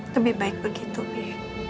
lebih baik begitu bi